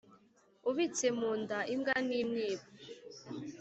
Ubitse munda imbwa ntimwiba.